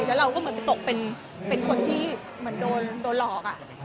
แล้วเราตกเป็นคนที่เหมือนโดนหลอก